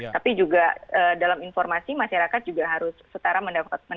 tapi juga dalam informasi masyarakat juga harus setara mendapatkan